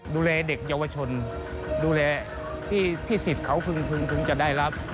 ดูแลเด็กเยาวชนดูแลที่สิทธิ์เขาพึงจะได้รับ